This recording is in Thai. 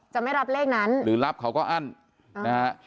จะไม่รับเลขนั้นหรือรับเขาก็อั้นนะฮะ